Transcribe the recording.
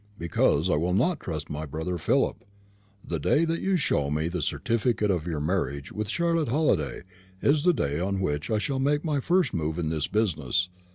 "Because I will not trust my brother Philip. The day that you show me the certificate of your marriage with Charlotte Halliday is the day on which I shall make my first move in this business.